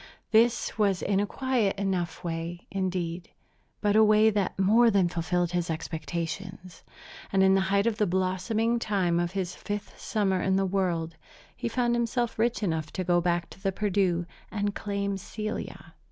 This was in a quiet enough way, indeed, but a way that more than fulfilled his expectations; and in the height of the blossoming time of his fifth summer in the world he found himself rich enough to go back to the Perdu and claim Celia.